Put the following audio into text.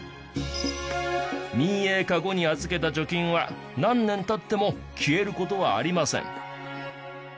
民営化後に預けた貯金は何年経っても消える事はありません。